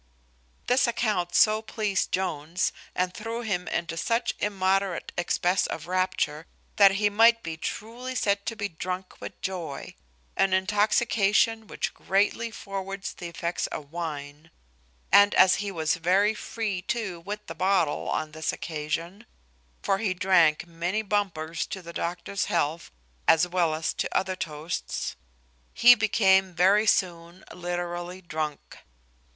This account so pleased Jones, and threw him into such immoderate excess of rapture, that he might be truly said to be drunk with joy an intoxication which greatly forwards the effects of wine; and as he was very free too with the bottle on this occasion (for he drank many bumpers to the doctor's health, as well as to other toasts) he became very soon literally drunk.